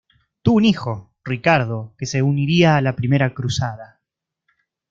Tuvo un hijo, Ricardo, que se uniría a la Primera Cruzada.